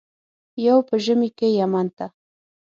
یو په ژمي کې یمن ته.